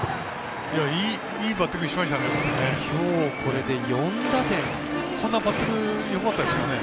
いいバッティングしましたね。